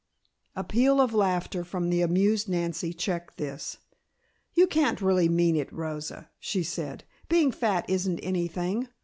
A peal of laughter from the amused Nancy checked this. "You can't really mean it, Rosa," she said. "Being fat isn't anything.